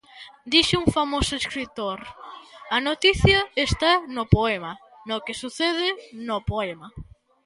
Dixo un famoso escritor: a noticia está no poema, no que sucede no poema.